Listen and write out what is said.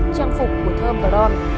trang phục của thơm và đôn